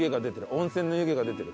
温泉の湯気が出てる。